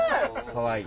かわいい。